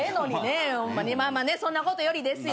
まあまあそんなことよりですよ。